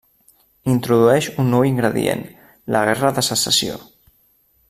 Introdueix un nou ingredient: la guerra de Secessió.